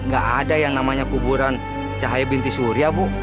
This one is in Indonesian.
gak ada yang namanya kuburan cahaya binti surya bu